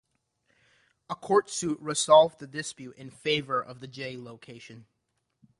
A court suit resolved the dispute in favor of the Jay location.